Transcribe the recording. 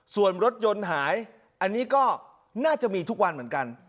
ส่วนรถยนต์หายอันนี้ก็น่าจะมีทุกวันเหมือนกัน